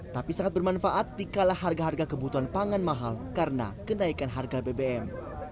tapi sangat bermanfaat dikala harga harga kebutuhan pangan mahal karena kenaikan harga bbm